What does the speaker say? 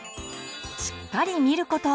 しっかり見ること。